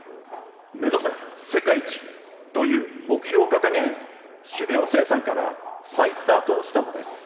目指せ世界一という目標を掲げ種苗生産から再スタートしたのです。